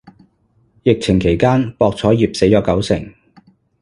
疫情期間博彩業死咗九成